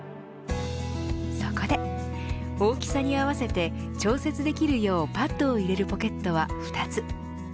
そこで大きさに合わせて調節できるようパッドを入れるポケットは２つ。